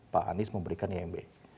pak anies memberikan imb